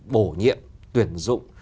bổ nhiệm tuyển dụng